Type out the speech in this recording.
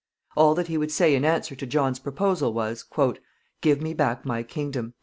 All that he would say in answer to John's proposal was, "Give me back my kingdom."